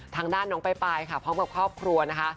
ทางด้านน้องปลายค่ะพร้อมกับครอบครัวนะคะ